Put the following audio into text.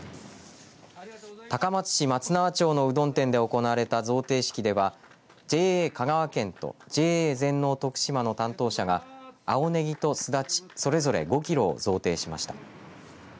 高松市松縄町のうどん店で行われた贈呈式ではＪＡ香川県とＪＡ全農とくしまの担当者が青ねぎとすだちそれぞれ５キロを贈呈しました。